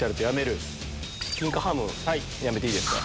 金華ハムやめていいですか。